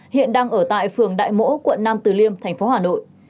hiện đang ở tại phường đại mỗ quận nam từ liêm thành phố hà nội